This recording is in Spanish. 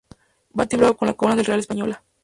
Va timbrado con la corona real española.